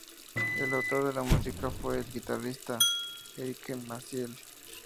El autor de la música fue el guitarrista Enrique Maciel.